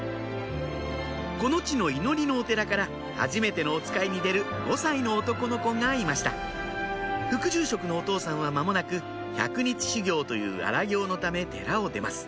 この地の祈りのお寺からはじめてのおつかいに出る５歳の男の子がいました副住職のお父さんは間もなく百日修行という荒行のため寺を出ます